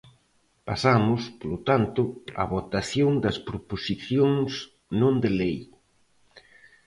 Pasamos, polo tanto, á votación das proposicións non de lei.